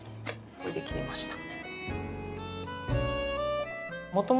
これで切れました。